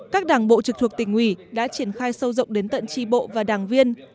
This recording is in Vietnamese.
các đảng bộ trực thuộc tỉnh ủy đã triển khai sâu rộng đến tận tri bộ và đảng viên